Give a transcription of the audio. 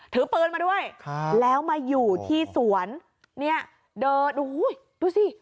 ถือปืนมาด้วยแล้วมาอยู่ที่สวนเนี่ยเดินโอ้โหดูสิ